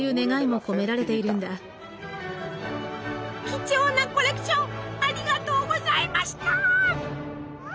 貴重なコレクションありがとうございました！